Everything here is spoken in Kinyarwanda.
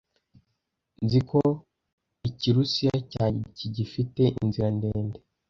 Nzi ko Ikirusiya cyanjye kigifite inzira ndende,